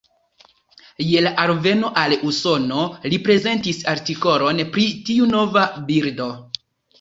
Je la alveno al Usono li prezentis artikolon pri tiu nova birdo.